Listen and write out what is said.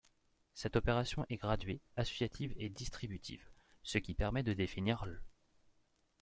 Cette opération est graduée, associative et distributive, ce qui permet de définir l'.